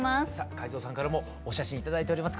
海蔵さんからもお写真頂いております。